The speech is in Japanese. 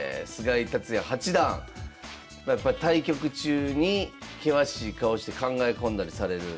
対局中に険しい顔して考え込んだりされる。